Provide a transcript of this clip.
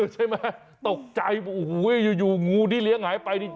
ใช่ไหมตกใจอยู่งูที่เลี้ยงหายไป